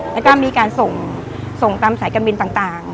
แล้วก็มีการส่งตามสายการบินต่าง